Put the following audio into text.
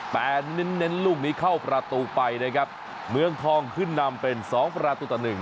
แต่เน้นเน้นลูกนี้เข้าประตูไปนะครับเมืองทองขึ้นนำเป็นสองประตูต่อหนึ่ง